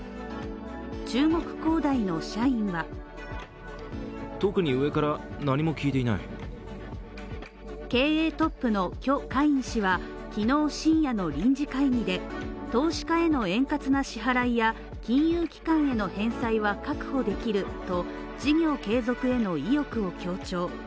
中国恒大の社員は経営トップの許家印氏は昨日深夜の臨時会議で、投資家への円滑な支払いや金融機関への返済は確保できると事業継続への意欲を強調。